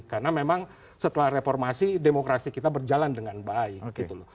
karena memang setelah reformasi demokrasi kita berjalan dengan baik